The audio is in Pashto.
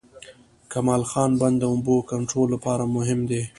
کمال خان بند د اوبو کنټرول لپاره مهم دی